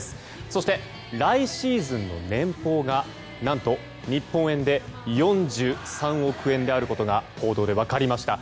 そして、来シーズンの年俸が何と、日本円で４３億円であることが報道で分かりました。